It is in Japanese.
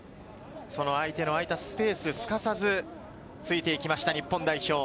相手の空いたスペース、すかさずついていきました日本代表。